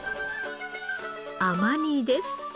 甘煮です。